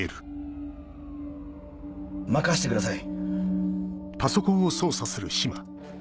任せてください。